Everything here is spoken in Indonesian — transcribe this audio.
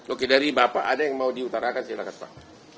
oke dari bapak ada yang mau diutarakan silahkan pak